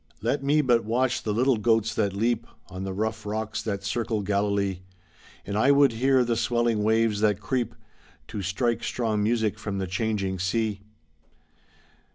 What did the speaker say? Let me but watch the little goats that leap On the rough rocks that circle Galilee, And I would hear the swelling waves that creep To strike strong music from the changing sea.